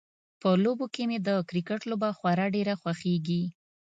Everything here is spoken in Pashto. په لوبو کې مې د کرکټ لوبه خورا ډیره خوښیږي